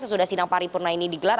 sesudah sidang paripurna ini digelar